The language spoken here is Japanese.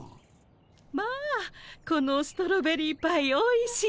まあこのストロベリーパイおいしい。